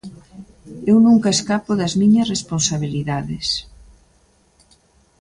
Eu nunca escapo das miñas responsabilidades.